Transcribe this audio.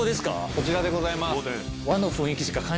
こちらでございます。